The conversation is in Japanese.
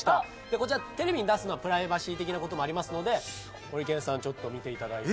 こちらテレビに出すのはプライバシー的な事もありますのでホリケンさんちょっと見ていただいて。